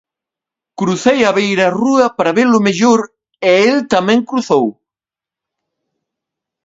Crucei a beirarrúa para velo mellor e el tamén cruzou.